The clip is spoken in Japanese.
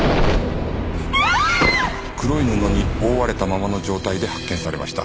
黒い布に覆われたままの状態で発見されました。